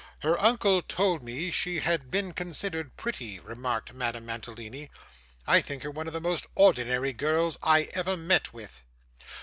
'Her uncle told me she had been considered pretty,' remarked Madame Mantalini. 'I think her one of the most ordinary girls I ever met with.